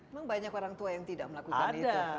emang banyak orang tua yang tidak melakukan itu ada